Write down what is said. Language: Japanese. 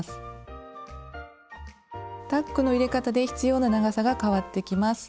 タックの入れ方で必要な長さが変わってきます。